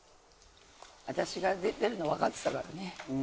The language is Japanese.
私が出るの分かってたからね